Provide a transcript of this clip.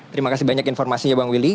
terima kasih banyak informasinya bang willy